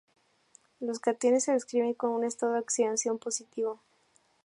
Los cationes se describen con un estado de oxidación positivo.